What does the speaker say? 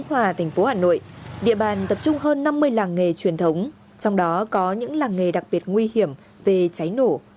huyện ứng hòa tp hà nội địa bàn tập trung hơn năm mươi làng nghề truyền thống trong đó có những làng nghề đặc biệt nguy hiểm về cháy nổ